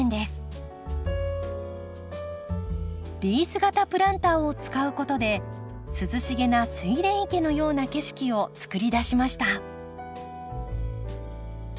リース型プランターを使うことで涼しげなスイレン池のような景色をつくり出しました。